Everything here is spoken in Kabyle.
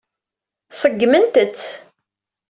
Ṣeggment-tt.